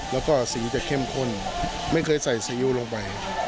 แล้วก็สีจะเข้มข้นไม่เคยใส่ซีอิ๊วลงไป